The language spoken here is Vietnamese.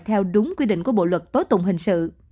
theo đúng quy định của bộ luật tố tụng hình sự